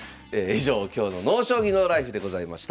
以上今日の「ＮＯ将棋ＮＯＬＩＦＥ」でございました。